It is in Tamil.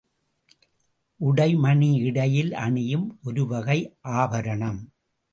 உடைமணி இடையில் அணியும் ஒருவகை ஆபரணம்.